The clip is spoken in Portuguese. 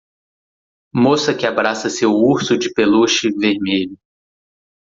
Moça que abraça seu urso de peluche vermelho.